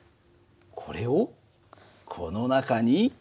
これをこの中に。